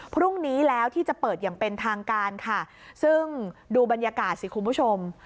พรุ่งนี้แล้วที่จะเปิดอย่างเป็นทางการค่ะซึ่งดูบรรยากาศสิคุณผู้ชม